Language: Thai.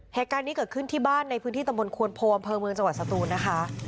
เหตุการณ์นี้เกิดขึ้นที่บ้านในพื้นที่ตำบลควนโพอำเภอเมืองจังหวัดสตูนนะคะ